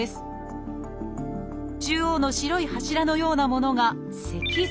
中央の白い柱のようなものが脊髄。